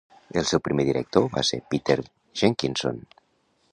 El seu primer director va ser Peter Jenkinson.